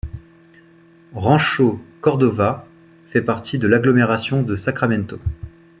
Rancho Cordova fait partie de l’agglomération de Sacramento.